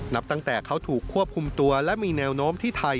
นับตั้งแต่เขาถูกควบคุมตัวและมีแนวโน้มที่ไทย